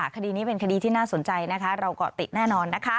คดีนี้เป็นคดีที่น่าสนใจเราเกาะติดแน่นอน